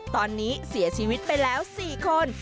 ตอนนี้เสียชีวิตไปแล้ว๔คน